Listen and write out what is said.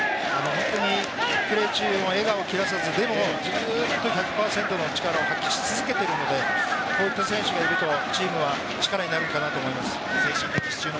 本当にプレー中も笑顔を切らさず、でもずっと１００％の力を発揮し続けているので、こういった選手がいるとチームは力になるかなと思います。